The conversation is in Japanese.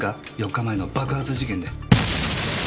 ４日前の爆発事件で。